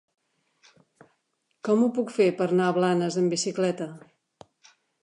Com ho puc fer per anar a Blanes amb bicicleta?